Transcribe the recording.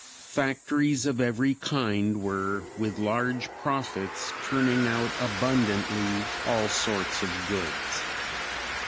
Factories of every kind were, with large profits, turning out abundantly all sorts of goods.